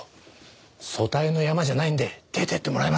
組対のヤマじゃないんで出ていってもらえますか？